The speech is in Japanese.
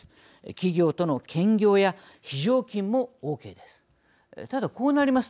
企業との兼業や非常勤もオーケーです。